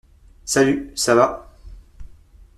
Salut, ça va?